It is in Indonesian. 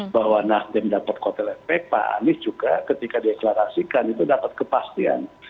bahwa nasdem dapat kotelepek pak anis juga ketika dieklarasikan itu dapat kepastian